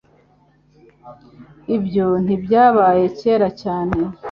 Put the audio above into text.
Ibyo ntibyabaye kera cyane.